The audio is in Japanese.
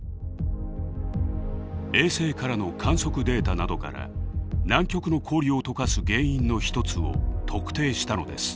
衛星からの観測データなどから南極の氷を解かす原因の一つを特定したのです。